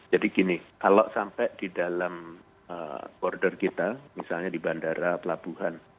jadi gini kalau sampai di dalam border kita misalnya di bandara pelabuhan